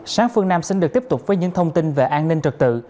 sáng phương nam xin được tiếp tục với những thông tin về an ninh trật tự